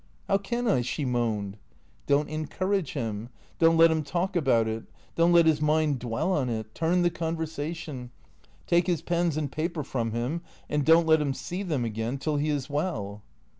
" How can I ?" she moaned. "Don't encourage him. Don't let him talk about it. Don't let his mind dwell on it. Turn the conversation. Take his pens and paper from him and don't let him see them again till he is well."